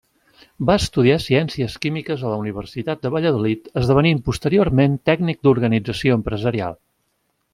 Va estudiar ciències químiques a la Universitat de Valladolid, esdevenint posteriorment tècnic d'organització empresarial.